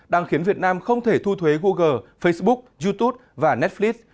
đang khiến việt nam không thể thu thuế google facebook youtube và netflix